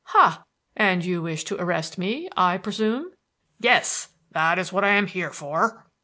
"Ha! and you wish to arrest me, I presume?" "Yes. That is what I am here for."